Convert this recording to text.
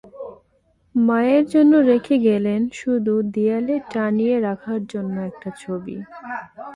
মায়ের জন্য রেখে গেলেন শুধু দেয়ালে টানিয়ে রাখার জন্য একটা ছবি।